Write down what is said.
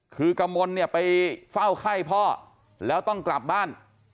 คือกระมนเนี่ยไปเฝ้าไข้พ่อแล้วต้องกลับบ้าน